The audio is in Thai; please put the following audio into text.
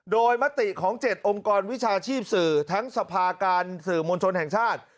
โดยมติของ๗องค์กรวิชาชีพสื่อทั้งสภาการสื่อมวลชนแห่งชาติ